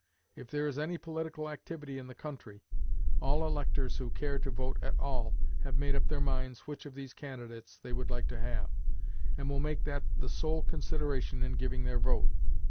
If there is any political activity in the country, all electors who care to vote at all have made up their minds which of these candidates they would like to have, and will make that the sole consideration in giving their vote.